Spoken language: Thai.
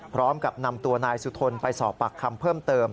พร้อมกับนำตัวนายสุทนไปสอบปากคำเพิ่มเติม